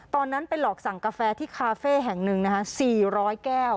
ตอนนั้นไปหลอกสั่งกาแฟที่คาเฟ่แห่งหนึ่งสี่ร้อยแก้ว